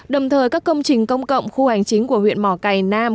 đồng thời các công trình công cộng khu hành chính của huyện mỏ cầy nam